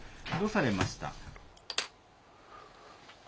どうされました？